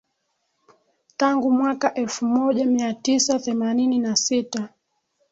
tangu mwaka elfumoja miatisa themanini na sita